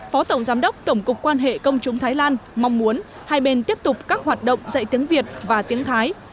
phó tổng giám đốc tổng cục quan hệ công chúng thái lan mong muốn hai bên tiếp tục các hoạt động dạy tiếng việt và tiếng thái